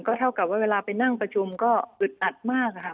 เท่ากับว่าเวลาไปนั่งประชุมก็อึดอัดมากค่ะ